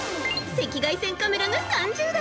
赤外線カメラが３０台。